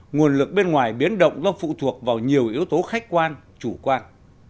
nguồn lực bên ngoài biến động do phụ thuộc vào nhiều yếu tố khách quan chủ quan